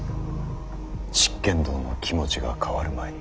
執権殿の気持ちが変わる前に。